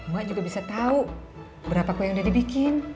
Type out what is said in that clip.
ma juga bisa tau berapa kue yang udah dibikin